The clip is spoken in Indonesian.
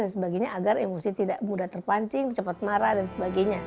sebagainya agar emosi tidak mudah terpancing cepat marah dan sebagainya